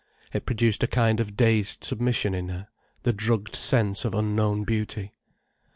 It produced a kind of dazed submission in her, the drugged sense of unknown beauty.